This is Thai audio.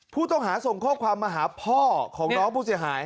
ผู้ต้องหาส่งข้อความมาหาพ่อของน้องผู้เสียหาย